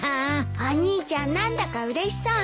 お兄ちゃん何だかうれしそうね。